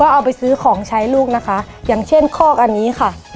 เอาไปซื้อของใช้ลูกนะคะอย่างเช่นคอกอันนี้ค่ะ